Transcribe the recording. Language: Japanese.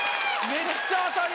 めっちゃ当たり！